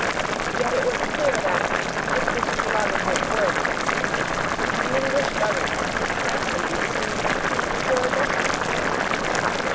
Yet it was clear that, if this prerogative were without limit, the English government could scarcely be distinguished from a pure despotism.